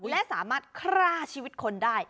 และสามารถฆ่าชีวิตคนได้